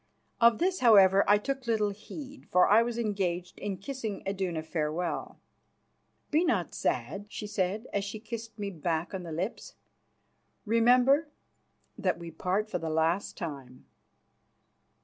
Of this, however, I took little heed, for I was engaged in kissing Iduna in farewell. "Be not sad," she said, as she kissed me back on the lips. "Remember that we part for the last time."